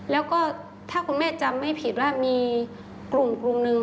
แล้วก็ถ้าคุณแม่จำไม่ผิดว่ามีกลุ่มหนึ่ง